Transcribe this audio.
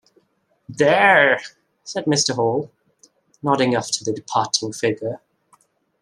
"There," said Mr. Hall, nodding after the departing figure.